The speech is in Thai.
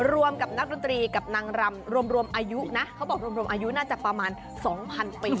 รวมกับนักดนตรีกับนางรำรวมอายุนะเขาบอกรวมอายุน่าจะประมาณ๒๐๐ปี